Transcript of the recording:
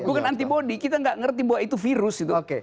bukan antibody kita nggak ngerti bahwa itu virus itu